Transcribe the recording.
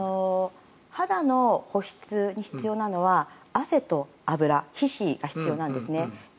肌の保湿に必要なのは汗と脂皮脂が必要なんですね。